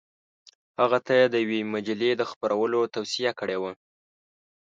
هغه ته یې د یوې مجلې د خپرولو توصیه کړې وه.